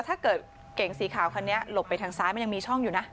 ถ้าเกิดเก่งสีขาวคันนี้หลบไปทางซ้ายมันยังมีช่องอยู่นะ